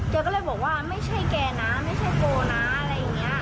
แกก็เลยบอกว่าไม่ใช่แกนะไม่ใช่โกนะอะไรอย่างนี้